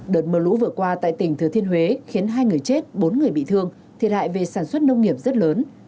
đợt mưa lũ vừa qua tại tỉnh thừa thiên huế khiến hai người chết bốn người bị thương thiệt hại về sản xuất nông nghiệp rất lớn